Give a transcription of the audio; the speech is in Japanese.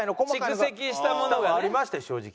蓄積したものがね。ありましたよ正直。